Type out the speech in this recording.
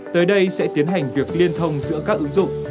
tới đây sẽ tiến hành việc liên thông giữa các ứng dụng